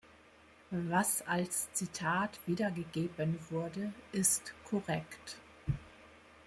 Was als Zitat wiedergegeben wurde, ist korrekt.